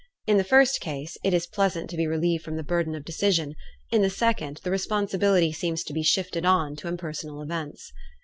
In the first case, it is pleasant to be relieved from the burden of decision; in the second, the responsibility seems to be shifted on to impersonal events.